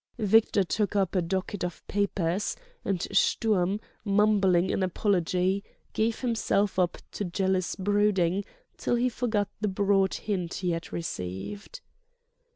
Victor took up a docket of papers, and Sturm, mumbling an apology, gave himself up to jealous brooding till he forgot the broad hint he had received.